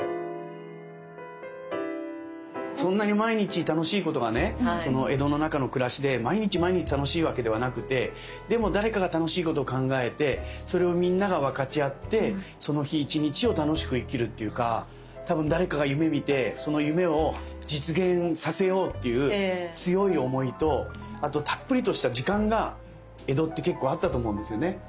そんなに毎日楽しいことがね江戸の中の暮らしで毎日毎日楽しいわけではなくてでも誰かが楽しいことを考えてそれをみんなが分かち合ってその日一日を楽しく生きるっていうか多分誰かが夢みてその夢を実現させようっていう強い思いとあとたっぷりとした時間が江戸って結構あったと思うんですよね。